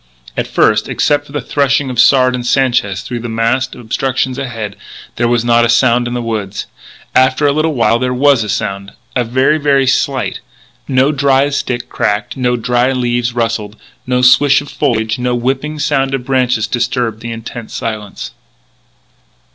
At first, except for the threshing of Sard and Sanchez through the massed obstructions ahead, there was not a sound in the woods. After a little while there was a sound very, very slight. No dry stick cracked; no dry leaves rustled; no swish of foliage; no whipping sound of branches disturbed the intense silence.